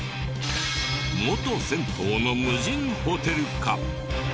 元銭湯の無人ホテルか？